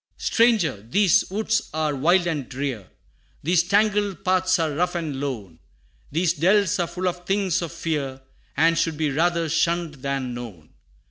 III. "Stranger! these woods are wild and drear; These tangled paths are rough and lone; These dells are full of things of fear, And should be rather shunned than known.